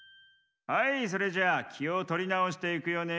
はいそれじゃきをとりなおしていくよね。